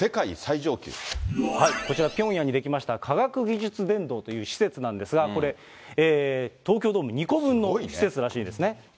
こちら、ピョンヤンに出来ました科学技術殿堂という施設なんですが、これ、東京ドーム２個分の施設らしいんですね。